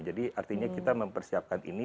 jadi artinya kita mempersiapkan ini